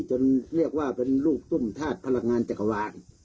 จนเรียกว่าเป็นลูกตุ้มธาตุพลังงานจักรวาล